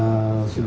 dalam waktu yang